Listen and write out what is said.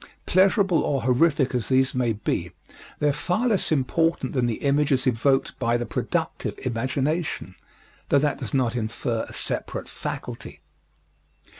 Pleasurable or horrific as these may be, they are far less important than the images evoked by the productive imagination though that does not infer a separate faculty.